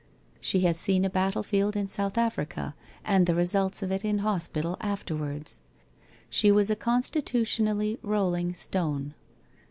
She has seen a battlefield in South Africa, and the results of it in hospital afterwards. She was a constitutionally rolling stone.